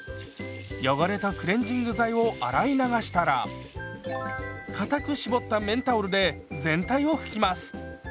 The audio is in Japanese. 汚れとクレンジング剤を洗い流したらかたく絞った綿タオルで全体を拭きます。